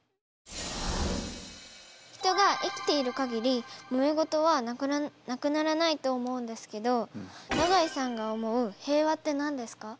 人が生きている限りもめ事はなくならないと思うんですけど永井さんが思う平和って何ですか？